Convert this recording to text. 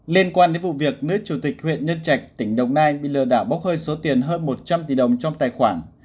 liên quan đến vụ việc nữ chủ tịch huyện nhân trạch tỉnh đồng nai bị lừa đảo bốc hơi số tiền hơn một trăm linh tỷ đồng trong tài khoản